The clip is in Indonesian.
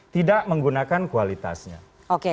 tidak menggunakan kualitasnya oke